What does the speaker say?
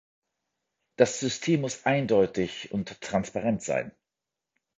Das System muss eindeutig und transparent sein.